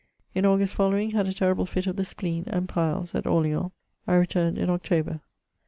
In August following, had a terrible fit of the spleen, and piles, at Orleans. I returned in October.